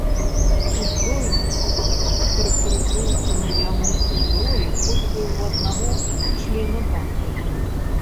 Узброенасць характарызуецца наяўнасцю зброі хоць бы ў аднаго члена банды.